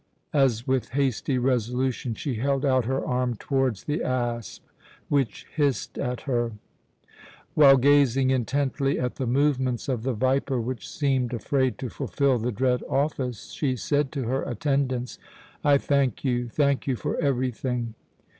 as with hasty resolution she held out her arm towards the asp, which hissed at her. While gazing intently at the movements of the viper, which seemed afraid to fulfil the dread office, she said to her attendants: "I thank you thank you for everything.